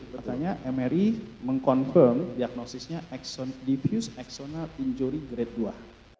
makanya mri meng confirm diagnosisnya debuse exona injury grade dua